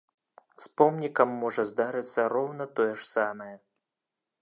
З помнікам можа здарыцца роўна тое ж самае.